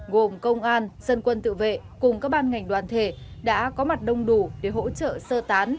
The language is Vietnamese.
gồm công an dân quân tự vệ cùng các ban ngành đoàn thể đã có mặt đông đủ để hỗ trợ sơ tán